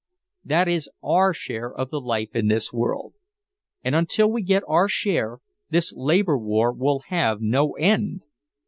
That is our share of the life in this world! And until we get our share this labor war will have no end!